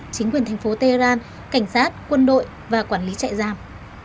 chính quyền thành phố tehran cảnh sát quân đội và quản lý trại giam